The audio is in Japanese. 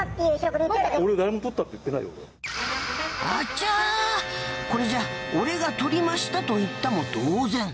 あちゃこれじゃあ俺が盗りましたと言ったも同然。